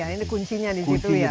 ini kuncinya di situ ya